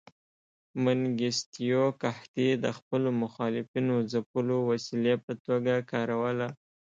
منګیستیو قحطي د خپلو مخالفینو ځپلو وسیلې په توګه کاروله.